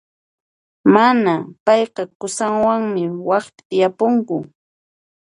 Mana, payqa qusanwanmi waqpi tiyapunku.